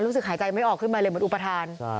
รู้สึกหายใจไม่ออกขึ้นมาเลยเหมือนอุปทาน